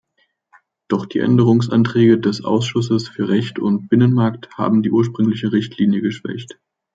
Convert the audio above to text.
Doch die Änderungsanträge des Ausschusses für Recht und Binnenmarkt haben die ursprüngliche Richtlinie geschwächt.